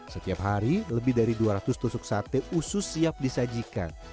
setiap hari lebih dari dua ratus tusuk sate usus siap disajikan